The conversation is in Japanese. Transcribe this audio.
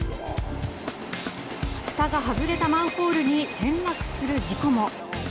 ふたが外れたマンホールに転落する事故も。